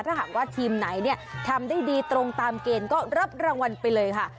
ถ้าหากว่าทีมไหนเนี่ยทำได้ดีตรงตามเกณฑ์ก็รับรางวัลไปเลยค่ะ